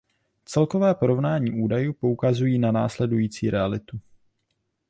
Celkové porovnání údajů poukazují na následující realitu.